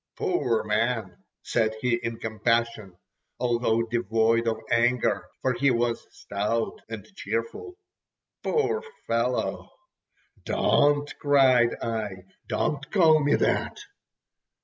"Poor man!" said he in compassion, although devoid of anger—for he was stout and cheerful. "Poor fellow!" "Don't!" cried I. "Don't call me that!"